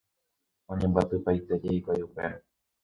Oñembyatypaitéje hikuái upérõ.